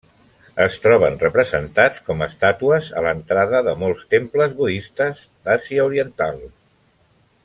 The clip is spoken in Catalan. Es troben representats com estàtues a l'entrada de molts temples budistes d'Àsia Oriental.